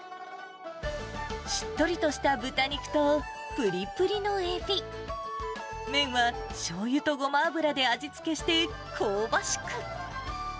しっとりとした豚肉とぷりぷりのエビ、麺はしょうゆとごま油で味付けして、香ばしく。